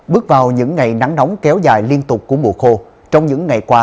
bước vào những ngày nắng nóng kéo dài liên tục của mùa khô trong những ngày qua